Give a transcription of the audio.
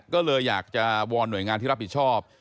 ก็เลยอยากจะวอนหน่วยงานที่รับผิดชอบ